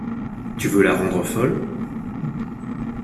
Tu veux la rendre folle?